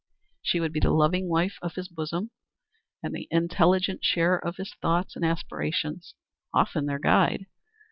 She would be the loving wife of his bosom and the intelligent sharer of his thoughts and aspirations often their guide.